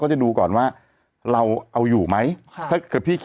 ใช่ก็มีหลายเคส